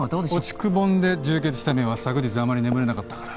落ちくぼんで充血した目は昨日あまり眠れなかったから。